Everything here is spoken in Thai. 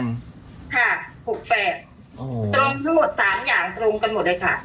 ตรงรูป๓อย่างตรงกันหมดเลยค่ะ